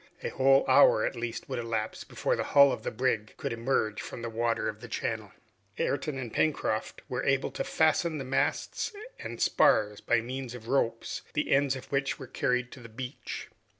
A whole hour at least would elapse before the hull of the brig could emerge from the water of the channel. Ayrton and Pencroft were able to fasten the masts and spars by means of ropes, the ends of which were carried to the beach.